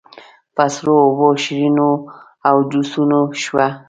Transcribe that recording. په سړو اوبو، شربتونو او جوسونو شوه.